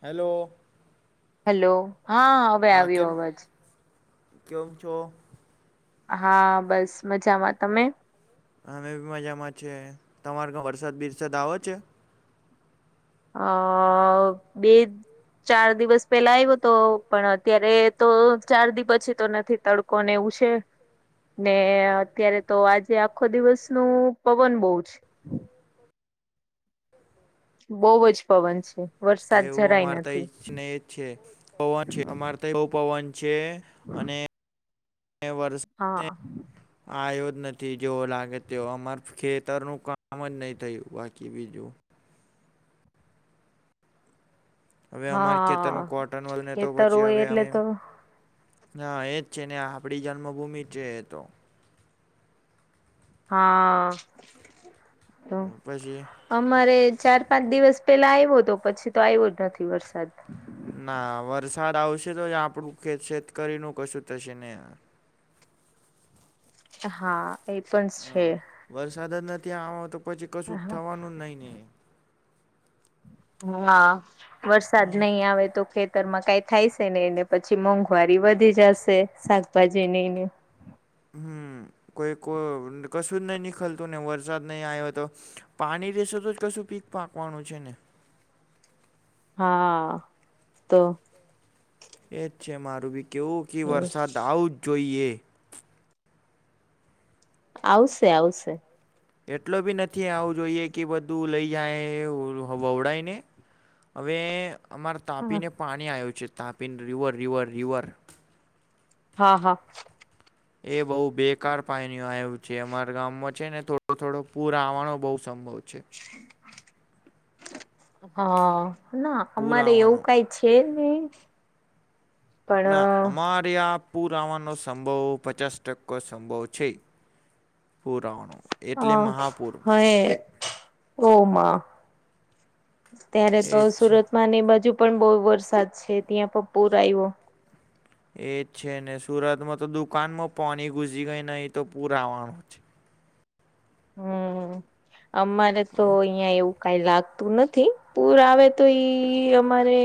Hello hello હા હવે હા આવ્યો કેમ અવાજ કેમ છો હા બસ મજામાં તમે અમે બી મજામાં છે તમારે ઘ વરસાદ બિરસાદ આવો છે અ બે ચાર દિવસ પેલા આવ્યો તો પણ અત્યારે તો ચાર દિવ પછી તો નથી તડકો ને એવું છે ને અત્યારે તો આજે આખો દિવસ નું પવન બહુ છે બોહજ પવન છે વરસાદ એવું જરાય અમાર [unintelligible] નથી પવન છે અને વરષ હા આ્યો જ નથી જેવો લાગે તે અમાર ખેતરનું કામ જ નહી થયું બાકી બીજું હવે અમારા હા ખેતરમાં કોટન વલને તો ખેતર પછી હોય હવે એટલે અમે તો હા એજ છે ને આપડી જન્મભૂમિ છે એ તો હા તો પછી અમારે ચાર પાંચ દિવસ પેલા આવ્યો તો પછી તો આવ્યો જ નથી વરસાદ ના વરસાદ આવશે તો જ આપણું [unintelligible] કશું થશે ને હા એ પણ છે હા વરસાદ જ નથી આ વાનો તો પછી કશું થવાનું જ નહીં નહીં હા વરસાદ ને નહી આવે તો ખેત ખતર માં કઈ થાય છે ને એને પછી મોંઘવારી વધી જશે શાકભાજી ને એને હમજ કોઈ ક કશું જ નહી નીખલતું ને વરસાદ નહી આવ્યો તો પાણી રે સો તો જ કશું પીક પાકવાનું છે ને હા તો એ જ છે મારું બી કેવું કે વરસાદ આવું જ જોઈએ આવશે આવશે એટલો બી નથી આવું જોઈએ કે બધું લઈ જાય વવડાય ને હવે અમારી હા તાપીને પાણી આવ્યું છે તાપીને રિવર રિવર રિવર હા હા એ બહુ બેકાર પાણી આવ્યું છે અમારા ગામમાં છે ને થોડો થોડો પૂર આવવાનો બઉ સંભવ છે હહ ના પૂર અમારે આવવાનો એવું કાંઈ છેે જ ની. ના અમારે આ પૂર આવવાનો સંભવ પચાસ ટકો સંભવ છે. [unintelligible] હ મહાપૂર હએ ઓમાં ત્યારે એ તો જ છે સુરતમાં ને એ બાજુ પણ બહુ વરસાદ છે ત્યાં પણ પૂર આવ્યો એજ છે ને સુરતમાં તો દુકાનમાં પોની ઘુસી ગઈ નહ તો પુરાવાનું છે હમ્મ અમારે તો ઓહ, અહિયાં એવું કાઈ લાગતું નથી પૂર આવે તો ઈ અમારે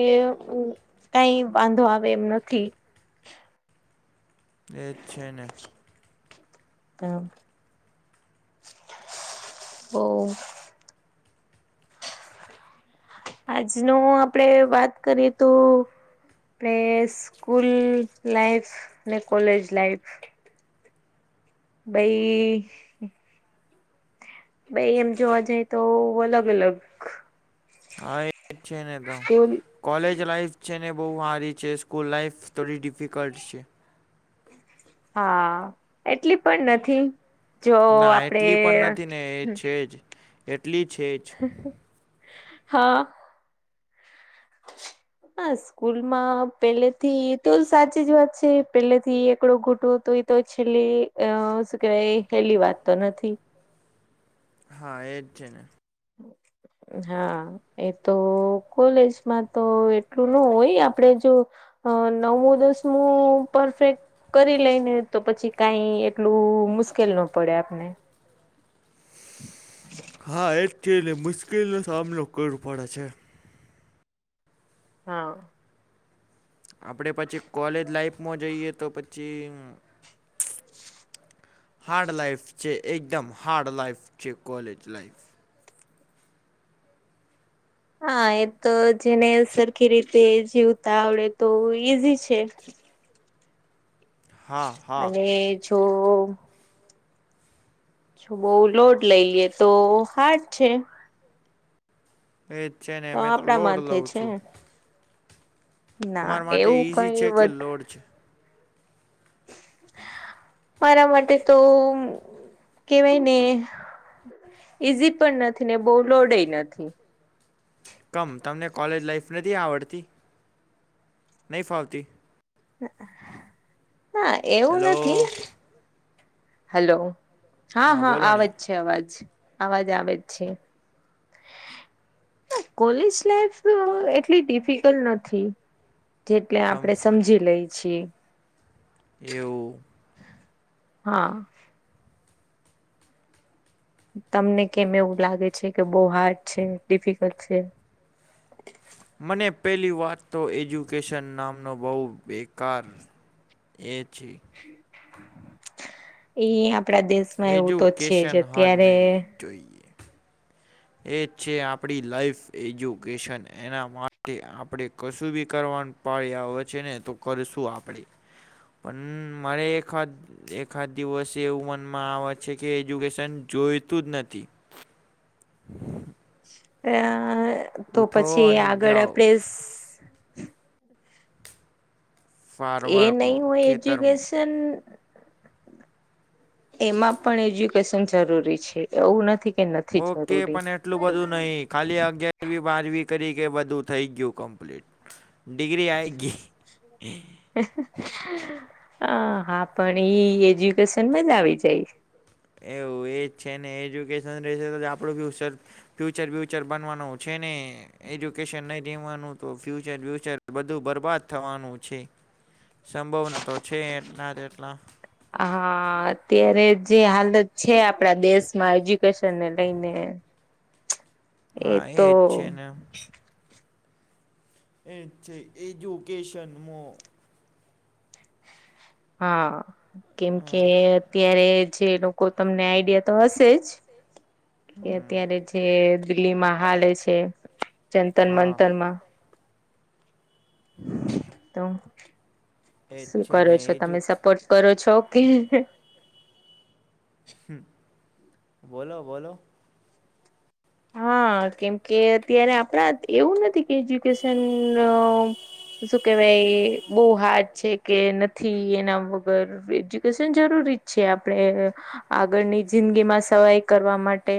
કાઈ વાંધો આવે એમ નથી. એજ છે ને એમ ઓહ! આજનો આપડે વાત કરીએ તો આપડે સ્કૂલ લાઈફસ ને કોલેજ લાઈફ. બઈ બઈ એમ જોવા જઈએ તો અલગ અલગ. હા એજ છે ને તો. સ્કૂલ કોલેજ લાઈફ છે ને બહુ હારી છે, સ્કૂલ લાઈફ થોડી ડિફિકલ્ટ છે. હા એટલી પણ નથી. જો ના આપડે એટલી પણ નથી ને એ છે જ એટલી છે જ. હહ બસ કૂલમાં પેલે થી તો સાચી જ વાત છે પેલે થી એકડો ઘૂટવો તો ઈ તો છેલ્લે અ શું કેવાય એ હેલી વાત તો નથી. હા એજ છે ને. હા એ તો કોલેજમાં તો એટલું ન હોય આપ આપડે જો અ નવમું દસમું પરફેક્ટ કરી લઈને તો પછી કાઈ એટલું મુશ્કેલ ન પડે આપને. હા એજ છે એટલે મુશ્કીલનો સામનો કરવો પડે છે. હા આપણે પછી કોલેજ લાઈફમાં જઈએ તો પછી હાર્ડ લાઈફ છે એકદમ હાર્ડ લાઈફ છે કોલેજ લાઈફ. હા એ તો જેને સરખી રીતે જીવતા આવડે તો ઈઝી છે. હા હા અને જો છું બહુ લોડ લઈ લે તો હાર્ડ છે. એજ છે ને મેં તો આપણા લોડ માથે લઉં છે છું. ના તમાર માટે એવું ઈઝી કઈ છે કે વધ લોડ છે? મારા માટે તો કેવાય ને ઈઝી પણ નથી ને બહુ લોડ એ નથી. કમ તમને કોલેજ લાઈફ નથી આવડતી? નહીં ફાવતી? હહ અ ના એવું હેલો નથી. હલો હા હા બોલો આવે ને જ છે અવાજ. અવાજ આવે જ છે. કોલેજ લાઈફ એટલી ડિફિકલ્ટ નથી જેટલે કમ આપડે સ સમજી લઈ છી. એવું હા તમને કેમ એવું લાગે છે કે બહુ હાર્ડ છે? ડિફિકલ્ટ છે? મને પેલી વાત તો એજ્યુકેશન નામનો બહુ બેકાર એ છે એ આપડા દેશમાં એવું તો છે જ અત્યારે તોોઈએ એ છે આપણી લાઈફ એજ્યુકેશન એના માટે આપણે કશું બી કરવાનું પાળી આવે છે ને તો કરશું આપડે પન મારે એકાદ એકાદ દિવસે એવું મનમાં આવે છે કે એજ્યુકેશન જોઈતું જ નથી. [inaudible] અ તો ઉઠો પછી અને આગળ જાઓ આપણે એ ફાર્મરમાં નહી હોય ખેતરમાં એજ્યુકેશન એમાં પણ એજ્યુકેશન જરૂરી છે એવું નથી. કે નથી ઓકે જરૂરી પંદટ એટલું બધું નહીિ ખાલી અગિયાર બારમી કરી કે બધું થઈ ગયું કમ્પ્લીટ ડિગ્રી આ એક ગ અ હા પણ ઈ એજ્યુકેશન મ જ આવી જાય એવું એજ છે ને એજ્યુકેશન રહેશે તો આપણું બી સરર ફ્યુચર બ્યુચર બનવાનું છે ને એજ્યુકેશન નહી જમવાનું તો ફ્યુચર બ્યુચર બધું બરબાદ થવાનું છે સંભવના તો છે એટલા એટલા હા અત્યારે જે હાલત છે આપડા દેશમાં હજ શનને લઈને હા એતો એજ છે ને એ છે એજુકેશન મો હા કેમ કે અ અત્યારે જે લોકો તમને આઈડિયા તો હશે જ કે હમ, અત્યારે જે દિલ્હીમાં હાલે છે ચંતન હા મંતરમાં તો એજ શું છે કરો છો ને એજુ તમે સપોર્ટ કરો છોકે હ બોલો બોલો હા કેમ કે અત્યારે આપણા એવું નથી કે એજ્યુકેશન શું કેવાય એ બહુ હાર્જ છે કે નથી એના વગર એજ્યુકેશન જરૂરી છે આપણે આગળની જિંદગીમાં સવાઈ કરવા માટે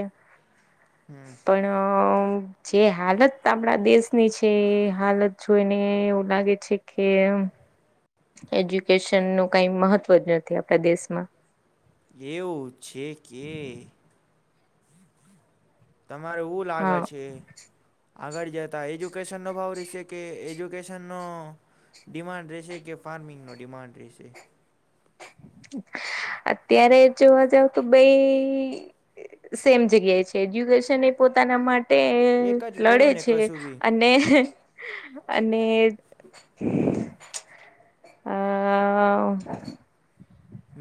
હમ પણ જે હાલત આપણા દેશની છે એ હાલત જોઈને એવું લાગે છે કે એજ્યુકેશન નું કઈ મહત્વ જ નથી આપણા દેશમાં એવું છે કે તમારે એવ લાગે હા છે આગળ જતા એજ્યુકેશન નો ભાવ રશે કે એજ્યુકેશનનો ડિમાન્ડ રહેશે કે ફાર્મિંગનો ડિમાન્ડ રહેશે અત્યારે જોવા જાવ તો સેમ જગ્યાએ છે એજ્યુકેશન એ પોતાના માટે એક તે જ લડે બોલો ને છે કશું બી અને અને [inaudible]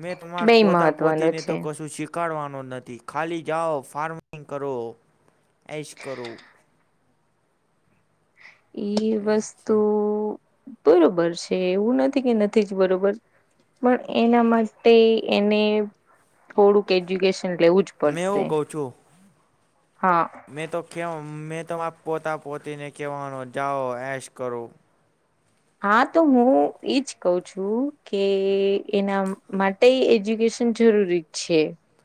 મેં બે તમારા પોતા મહત્વનો પોતીને તો છે કશું શીખ ઉકાડવાનો નથી ખાલી જાઓ ફાર્મિંગ કરો એ જ કરો એ વસ્તુ બરોબર છે એવું નથી કે નથી જ બરોબર પણ એના માટે એને થોડુંક એજ્યુકેશન લેવું જ મેં પડશે એવું કઉ છું હા મેં તો કે મેં તો પોતા પોતીને કહેવાનો જાઓ એશ કરો હા તો હું એજ કઉ છું કે એના માટે તે એજ્યુકેશન જરૂરી છે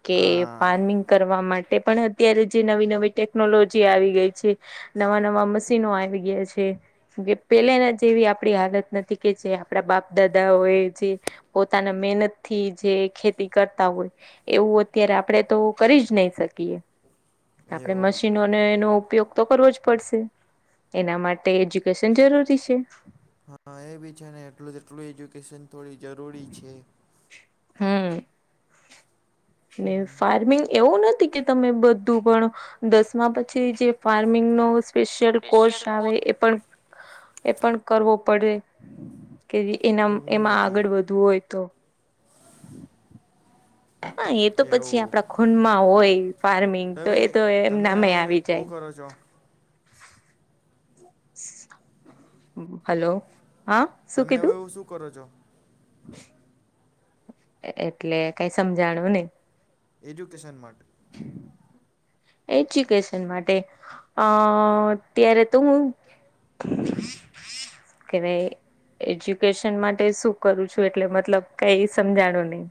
કે હા પારમિંગ કરવા માટે પણ અત્યારે જે નવી નવી ટેકનોલોજી આવી ગઈ છે નવા નવા મશીનો આવી ગયા છે પેલેને જેવી આ આપડી હાલત નથી કે જે આપણા બાપ દાદાઓય જે પોતાના મહેનત થી જે ખેતી કરતા હોય એવું અત્યારે આપણેે તો કરી જ નહી શકીએ. આપણે એવું મશીનોને એનો ઉપયોગ તો કરવો જ પડશે એના માટે એજ્યુકેશન જરૂરી છે. હા એ બી છે ને એટલું એટલું એજ્યુકેશન થોડી જરૂરી છે. હમ. ને ફાર્મિંગ એવું નથી કે, તમે બધું પણ દસમા પછી જે ફાર્મિંગ નો સ્પેશિયલ કોર્સ આવે એ પણ એ પણ કરવો પડે કે એના એવું એમાં નથી આગળ વધવું હોય તો. એ તો પછી એવું આપડા ખૂનમાં હોય ફાર્મિંગ તો એ હવે તો તમે એમનામાં હવે આવી હું જાય. કરો છો? [inaudible] હલો હા. શું તમે હવે કીધું એવું શું કરો છો? એટલે કઈ સમજાણું નઈ. એજ્યુકેશન માટે. હ [inaudible] એજ્યુકેશન માટે અ અત્યારે તો હું [inaudible] એજ્યુકેશન માટે શું કરું છું એટલે મતલબ કઈ સમજાણો નહી.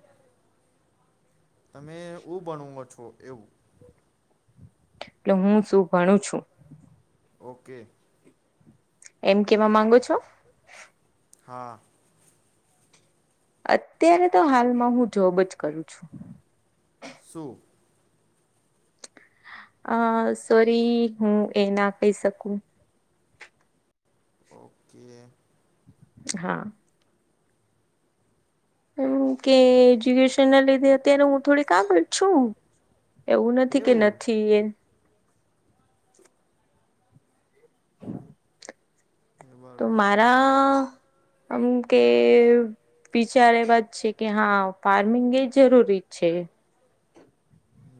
તમે હુ ભણવા મા છો? એવું. એટલે હું શું ભણું છું. ઓકે. એમ કેવા માંગો છો? હા. અત્યારે તો હાલમાં હું જોબ જ કરું છું. શુ? અ સોરી હું એ ના કહી શકું. ઓકે. હા. એમ કે એજ્યુકેશન ના લીધે અત્યારે હું થોડીક આગળ છું. એવું નથી કે એવું નથી એ. તો બરાબર છે મારા આમ કે. વિચાર એ વાત છે કે હા ફાર્મિંગ એ જરૂરી છે.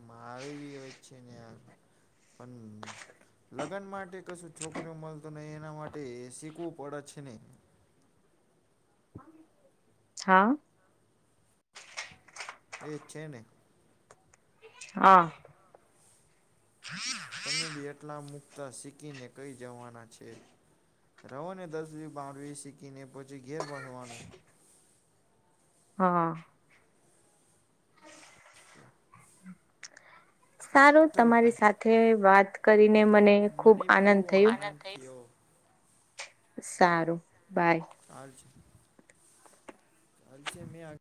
મારું બી હોત છે ને યાર પણ લગ્ન માટે કશું છોકરીઓ મળતું નહી એના માટે શીખવું પડે છે ને. હા. એ જ જેને હા. [inaudible] તમે બી એટલા મુકતા શીખીને કહી જવાના છે. રવોને દસવી બારવી શીખીને પછી ઘેર બ રહેવાનું. હા. [inaudible] સારું ચલો તમારી ટાઈમ સાથે વાત કરીને મને ખુબ આનંદ થયું. હલો. સારું બાય. હાલ છે હલ છે મેં આ